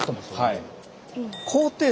はい。